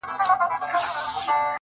o خدايه سندرو کي مي ژوند ونغاړه.